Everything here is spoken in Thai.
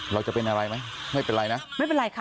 เราจะเป็นอะไรไหมไม่เป็นไรนะไม่เป็นไรค่ะ